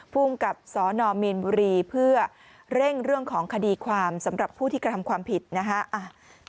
ภูมิกับสนมีนบุรีเพื่อเร่งเรื่องของคดีความสำหรับผู้ที่กระทำความผิดนะฮะ